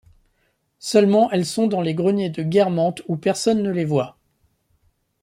Seulement elles sont dans les greniers de Guermantes où personne ne les voit.